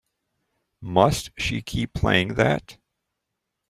Must she keep playing that?